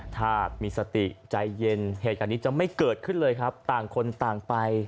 ถ้ามีสติใจเย็นเหตุการณ์นี้จะไม่เกิดขึ้นเลยครับต่างคนต่างไป